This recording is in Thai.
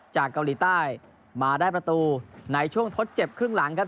จากเกาหลีใต้มาได้ประตูในช่วงทดเจ็บครึ่งหลังครับ